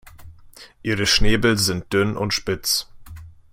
Ihre Schnäbel sind dünn und spitz.